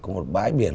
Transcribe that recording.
có một bãi biển